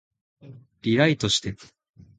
リライトして